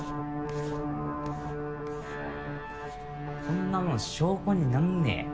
こんなもん証拠になんねえよ。